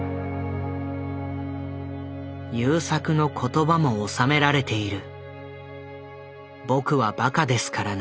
優作の言葉も収められている。